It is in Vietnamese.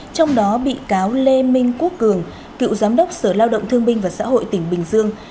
trong đó bị cáo lê minh quốc cường cựu giám đốc sở lao động thương binh và xã hội tỉnh bình dương